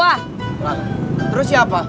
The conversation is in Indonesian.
wah terus siapa